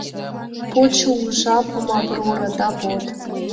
Почо у жапым «Аврора», да вот